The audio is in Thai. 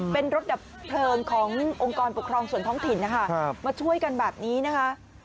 เป็นรถดับเพลิงขององค์กรปกครองส่วนท้องถิ่นนะคะมาช่วยกันแบบนี้นะคะ